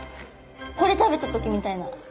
これ食べた時みたいな。